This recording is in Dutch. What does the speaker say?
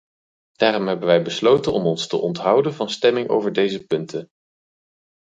Daarom hebben wij besloten om ons te onthouden van stemming over deze punten.